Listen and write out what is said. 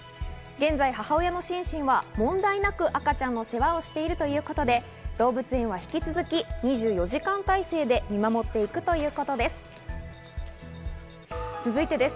現在、母親のシンシンは問題なく赤ちゃんの世話をしているということで、動物園は引き続き２４時間体制で見守っていくということです。